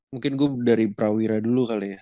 mungkin gue dari prawira dulu kali ya